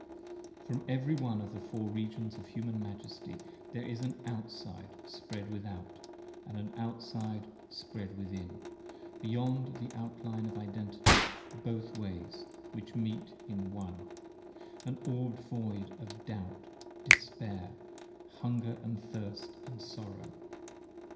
p. 1 8 FROM every one of the Four Regions of Human Majesty There is an Outside spread Without, & an Outside spread Within, Beyond the Outline of Identity both ways, which meet in One: An orbed Void of doubt, despair, hunger & thirst & sorrow.